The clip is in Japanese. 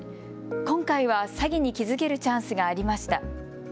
今回は詐欺に気付けるチャンスがありました。